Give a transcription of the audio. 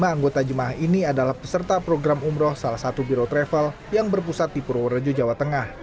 lima anggota jemaah ini adalah peserta program umroh salah satu biro travel yang berpusat di purworejo jawa tengah